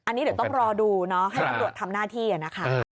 เดี๋ยวต้องรอดูเนาะให้อบริษัททำหน้าที่อ่ะนะคะ